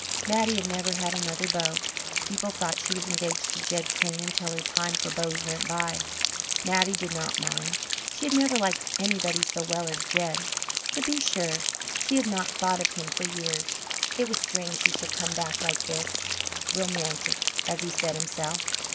Mattie had never had another beau. People thought she was engaged to Jed Crane until her time for beaus went by. Mattie did not mind; she had never liked anybody so well as Jed. To be sure, she had not thought of him for years. It was strange he should come back like this "romantic," as he said himself.